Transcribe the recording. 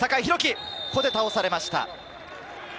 ここで倒されました。